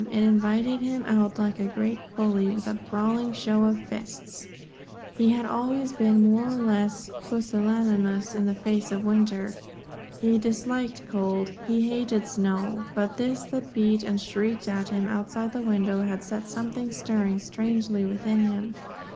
It invited him out like a great bully, with a brawling show of fists. He had always been more or less pusillanimous in the face of winter. He disliked cold. He hated snow. But this that beat and shrieked at him outside the window had set something stirring strangely within him.